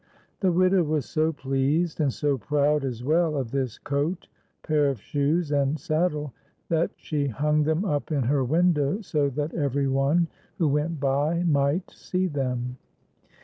The widow was so pleased, and so proud as well, of this coat, pair of shoes, and saddle, that she hunj them up in her window so that every one who went by might see them.